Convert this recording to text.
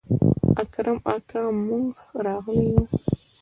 اکرم اکا موږ راغلي يو.